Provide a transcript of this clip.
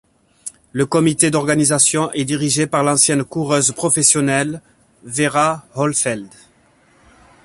Le comité d'organisation est dirigé par l'ancienne coureuse professionnelle Vera Hohlfeld.